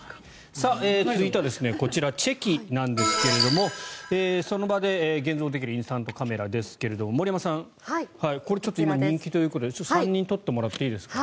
続いては、こちらチェキなんですけれどもその場で現像できるインスタントカメラですが森山さん、これちょっと今人気ということで３人撮ってもらっていいですか？